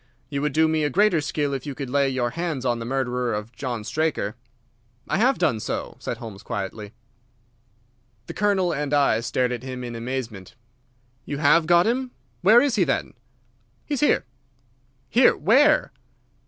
You would do me a greater still if you could lay your hands on the murderer of John Straker." "I have done so," said Holmes quietly. The Colonel and I stared at him in amazement. "You have got him! Where is he, then?" "He is here." "Here! Where?"